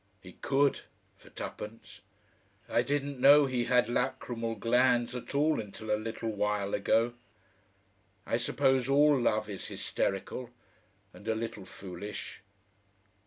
He could for tuppence. I didn't know he had lachrymal glands at all until a little while ago. I suppose all love is hysterical and a little foolish.